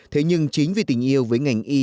thế nhưng chính vì tình yêu với ngành y